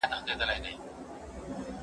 هغه څوک چي ځواب ليکي تمرين کوي!؟